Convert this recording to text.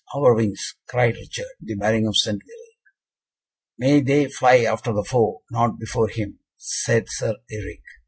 our wings!" cried Richard, "the bearing of Centeville!" "May they fly after the foe, not before him," said Sir Eric.